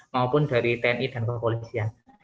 maupun dari tni dan kepolisian